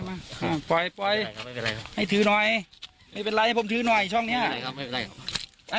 อย่าทำร้ายร่างกายผมครับไปหาที่นั่งดีกว่าครับ